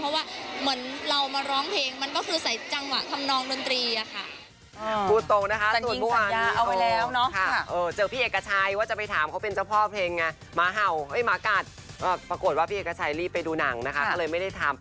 เพราะว่าเหมือนเรามาร้องเพลงมันก็คือใส่จังหวะทำนองดนตรีอะค่ะ